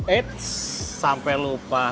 eits sampai lupa